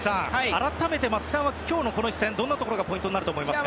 改めて松木さんは今日のこの一戦、どんなところがポイントになると思いますか？